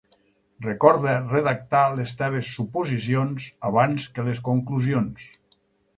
Recorda redactar les teves suposicions abans que les conclusions.